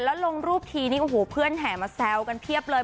แล้วลงรูปทีนี้โอ้โหเพื่อนแห่มาแซวกันเพียบเลย